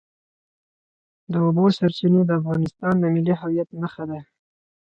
د اوبو سرچینې د افغانستان د ملي هویت نښه ده.